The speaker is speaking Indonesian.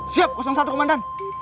siap satu komandan